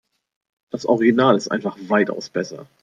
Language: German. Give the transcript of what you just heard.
Das Original ist einfach weitaus besser.